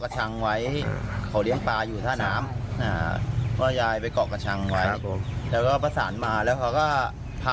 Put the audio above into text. จะในแรกเริ่มแรกคุณยายจะเป็นคนย้ำคิดย้ำทำ